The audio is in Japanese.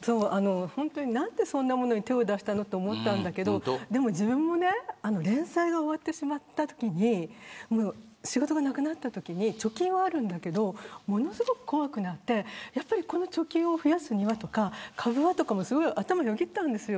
何でそんなものに手を出したのかと思ったんですけど自分も連載が終わったときに仕事がなくなったときに貯金はあるんだけどものすごく怖くなってやっぱり、この貯金を増やすにはとか、株はとか頭をよぎったんです。